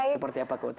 seperti apa keutama